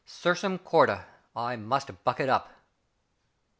Sursum corda! I must buck it up.